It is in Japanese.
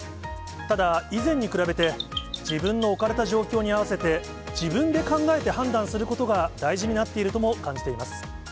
ただ、以前に比べて、自分の置かれた状況に合わせて、自分で考えて判断することが大事になっているとも感じています。